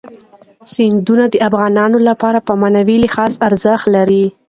سیندونه د افغانانو لپاره په معنوي لحاظ ارزښت لري.